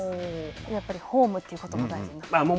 やっぱりホームということが大事になってくるんですね。